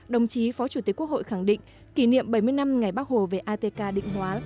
đồng chí phó chủ tịch quốc hội khẳng định kỷ niệm bảy mươi năm ngày bắc hồ về atk định hóa